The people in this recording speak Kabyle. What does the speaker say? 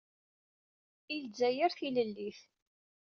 I Lezzayer tilellit.